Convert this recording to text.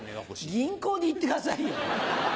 銀行に言ってくださいよ。